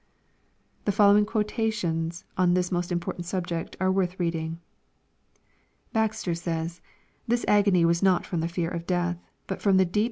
The following quotations on this most important subject are worth reading. Baxter says, " This agony was not from the fear of death, but from the deep.